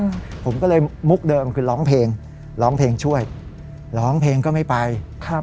อืมผมก็เลยมุกเดิมคือร้องเพลงร้องเพลงช่วยร้องเพลงก็ไม่ไปครับ